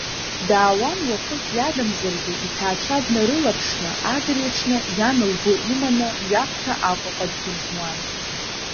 Даауан уахык иадамзаргьы, иҭаацәа днарылаԥшны, адырҩаҽны, иан лгәы иманы, ҩаԥхьа Аҟәаҟа дхынҳәуан.